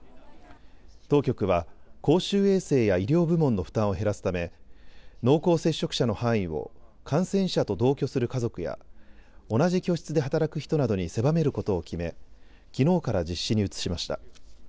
当局は公衆衛生や医療部門の負担を減らすため濃厚接触者の範囲を感染者と同居する家族や同じ居室で働く人などに狭めることを決めきのうから実施に移しました。